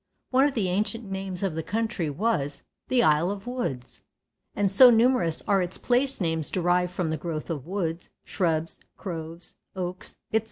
One of the ancient names of the country was "The Isle of Woods" and so numerous are its place names derived from the growth of woods, shrubs, groves, oaks, etc.